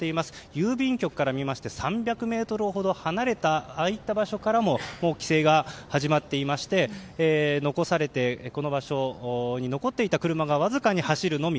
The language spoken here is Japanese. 郵便局から見まして３００ｍほど離れた場所からも規制が始まっていましてこの場所に残っていた車がわずかに走るのみ。